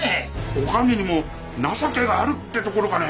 お上にも情けがあるってところかね。